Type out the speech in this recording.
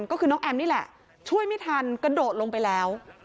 ก็คือน้องแอมนี่แหละช่วยไม่ทันกระโดดลงไปแล้ว